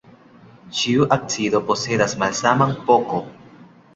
Ĉiu acido posedas malsaman pK.